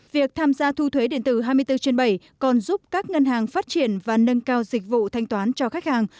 việc tham gia thu thuế điện tử hai mươi bốn trên bảy còn giúp các ngân hàng phát triển và nâng cao dịch vụ thanh toán cho khách hàng